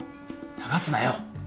流すなよ。